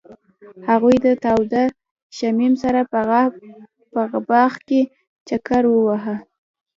هغوی د تاوده شمیم سره په باغ کې چکر وواهه.